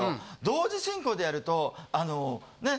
同時進行でやるとあのね。